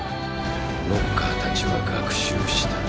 ノッカーたちは学習した。